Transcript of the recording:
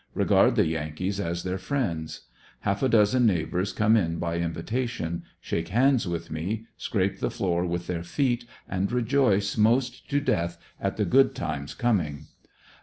Regard the Yankees as their friends . Half a doz en neighbors come in by invitation, shake hands with me, scrape the floor with their feet, and rejoice most to death at the good times coming.